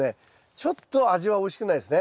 ちょっと味はおいしくないですね。